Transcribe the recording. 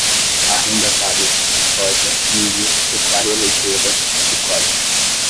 arrendatários, soja, milho, pecuária leiteira, de corte